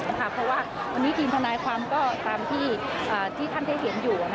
เพราะว่าวันนี้ทีมทนายความก็ตามที่ท่านได้เห็นอยู่